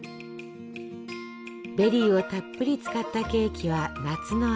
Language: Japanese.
ベリーをたっぷり使ったケーキは夏の味。